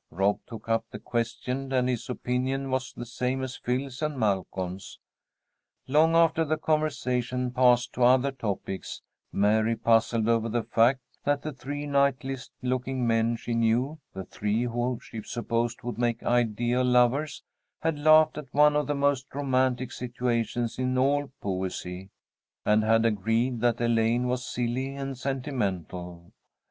Rob took up the question, and his opinion was the same as Phil's and Malcolm's. Long after the conversation passed to other topics, Mary puzzled over the fact that the three knightliest looking men she knew, the three who, she supposed, would make ideal lovers, had laughed at one of the most romantic situations in all poesy, and had agreed that Elaine was silly and sentimental.